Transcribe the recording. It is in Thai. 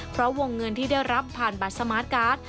เพราะวงเงินที่ได้รับผ่านบัตรสมาร์ทการ์ด